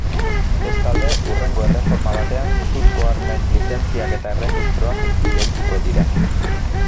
Bestalde, hurrengo erreforma batean suzko armen lizentziak eta erregistroak gehituko dira.